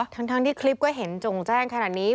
ทั้งที่คลิปก็เห็นจงแจ้งขนาดนี้